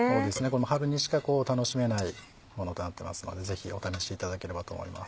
春にしか楽しめないものとなってますのでぜひお試しいただければと思います。